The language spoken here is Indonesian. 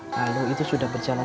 lalu itu sudah berjalan